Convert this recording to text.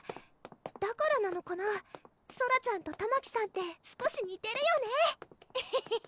だからなのかなソラちゃんとたまきさんって少しにてるよねエヘヘヘ